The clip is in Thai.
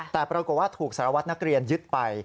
แต่ปรากฏว่าถูกสารวัตรนักเรียนยึดไป